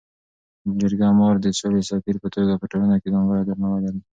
جرګه مار د سولي د سفیر په توګه په ټولنه کي ځانګړی درناوی لري.